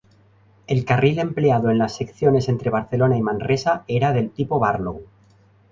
El carril empleado en las secciones entre Barcelona y Manresa era del tipo Barlow.